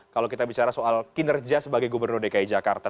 kalau kita bicara soal kinerja sebagai gubernur dki jakarta